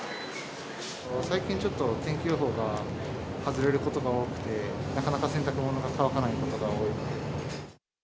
最近、ちょっと天気予報が外れることが多くて、なかなか洗濯物が乾かないってことが多くて。